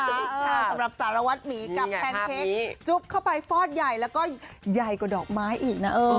สำหรับสารวัตรหมีกับแพนเค้กจุ๊บเข้าไปฟอดใหญ่แล้วก็ใหญ่กว่าดอกไม้อีกนะ